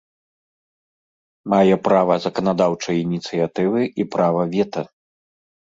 Мае права заканадаўчай ініцыятывы і права вета.